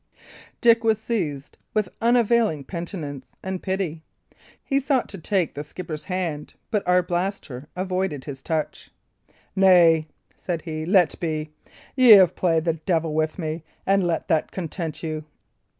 '" Dick was seized with unavailing penitence and pity; he sought to take the skipper's hand, but Arblaster avoided his touch. "Nay," said he, "let be. Y' have played the devil with me, and let that content you."